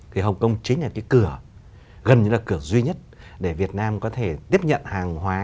thì hồng kông chính là cái cửa gần như là cửa duy nhất để việt nam có thể tiếp nhận hàng hóa